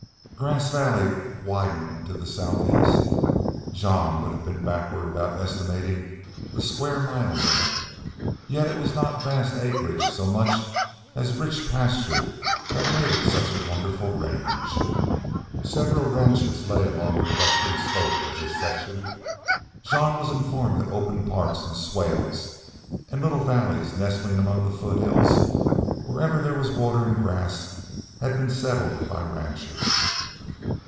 Grass Valley widened to the southeast. Jean would have been backward about estimating the square miles in it. Yet it was not vast acreage so much as rich pasture that made it such a wonderful range. Several ranches lay along the western slope of this section. Jean was informed that open parks and swales, and little valleys nestling among the foothills, wherever there was water and grass, had been settled by ranchers.